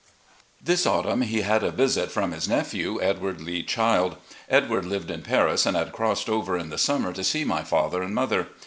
This autumn he had a visit from his nephew, Edward Lee Childe. Edward lived in Paris, and had crossed over in the summer to see my father and mother.